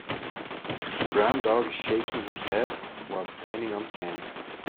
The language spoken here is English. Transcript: A brown dog is shaking his head while standing on sand.